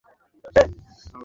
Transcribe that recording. তাদের সাথে দফ বাজাবে।